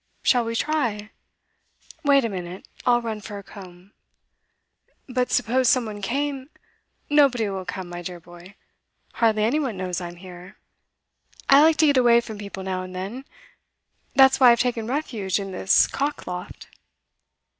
Shall we try? Wait a minute; I'll run for a comb.' 'But suppose some one came ' 'Nobody will come, my dear boy. Hardly any one knows I'm here. I like to get away from people now and then; that's why I've taken refuge in this cock loft.